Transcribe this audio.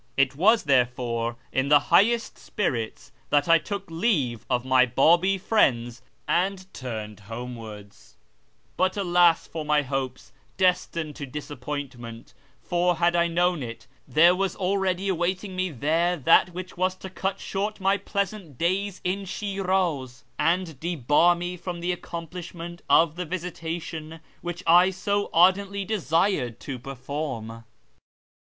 It was therefore in the highest spirits that I took leave of my Babi friends and turned homewards ; but alas for my hopes, destined I to disappointment ; for, had I known it, there was already I awaiting me there that which was to cut short my pleasant days in Shiraz, and debar me from the accomplishment of the " visitation " which I so ardently desired to perform.